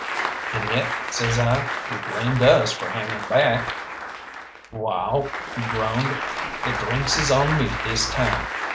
"And yet," says I, "you blamed us for hanging back!" "Wall," he groaned, "the drinks is on me this time.